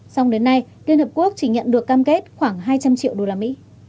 xong đến nay liên hợp quốc chỉ nhận được cam kết khoảng hai trăm linh triệu usd